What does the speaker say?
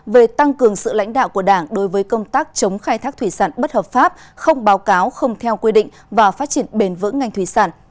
về tăng cường sự lãnh đạo của đảng đối với công tác chống khai thác thủy sản bất hợp pháp không báo cáo không theo quy định và phát triển bền vững ngành thủy sản